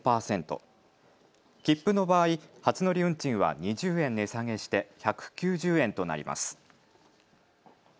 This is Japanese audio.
切符の場合、初乗り運賃は２０円値下げして１９０円となります。